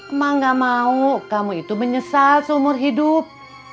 emang gak mau kamu itu menyesal seumur hidup